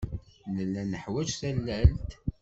Nella neḥwaj tallalt.